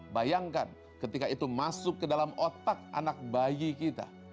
bayangkan ketika itu masuk ke dalam otak anak bayi kita